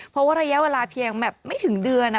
เพราะว่าระยะเวลาเพียงแบบไม่ถึงเดือน